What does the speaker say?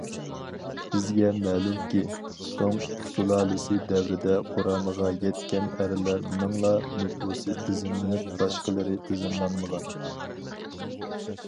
بىزگە مەلۇمكى، سوڭ سۇلالىسى دەۋرىدە قۇرامىغا يەتكەن ئەرلەرنىڭلا نوپۇسى تىزىملىنىپ، باشقىلىرى تىزىملانمىغان.